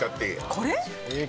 これ？